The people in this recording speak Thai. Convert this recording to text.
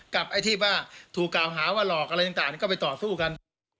ไอ้ที่ว่าถูกกล่าวหาว่าหลอกอะไรต่างก็ไปต่อสู้กัน